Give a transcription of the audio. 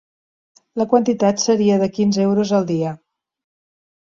La quantitat seria de quinze euros al dia.